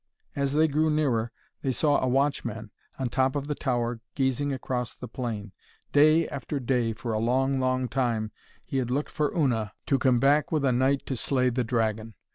As they drew nearer they saw a watchman on the top of the tower gazing across the plain. Day after day for a long, long time he had looked for Una to come back with a knight to slay the dragon.